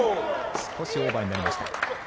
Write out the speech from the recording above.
少しオーバーになりました。